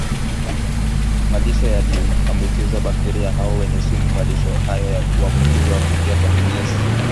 malisho yaliyoambukizwa bakteria hao wenye sumu Malisho hayo huambukizwa kupitia kwa kinyesi